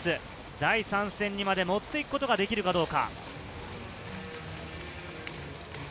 第３戦にまでもっていくことができるでしょうか。